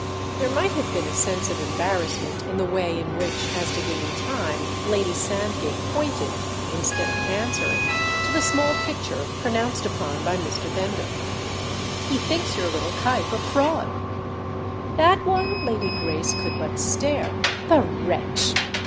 There might have been a sense of embarrassment in the way in which, as to gain time, Lady Sandgate pointed, instead of answering, to the small picture pronounced upon by Mr. Bender. "He thinks your little Cuyp a fraud." "That one?" Lady Grace could but stare. "The wretch!"